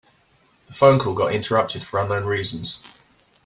The phone call got interrupted for unknown reasons.